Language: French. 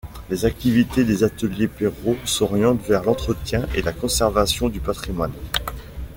Les activités des Ateliers Perrault s'orientent vers l'entretien et la conservation du patrimoine.